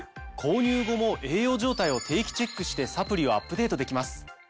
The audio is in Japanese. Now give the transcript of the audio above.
購入後も栄養状態を定期チェックしてサプリをアップデートできます。